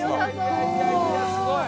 すごい！